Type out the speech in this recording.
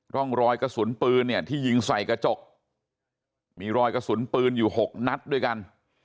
ร่องรอยกระสุนปืนเนี่ยที่ยิงใส่กระจกมีรอยกระสุนปืนอยู่๖นัดด้วยกัน